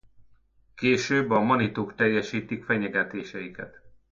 Később a manituk teljesítik fenyegetéseiket.